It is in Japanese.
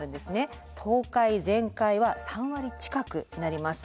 倒壊・全壊は３割近くになります。